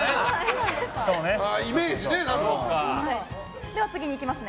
イメージね。